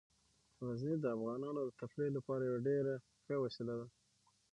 غزني د افغانانو د تفریح لپاره یوه ډیره ښه وسیله ده.